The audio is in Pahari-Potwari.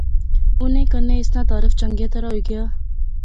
انیں کنے اس ناں تعارف چنگیا طرح ہوئی گیا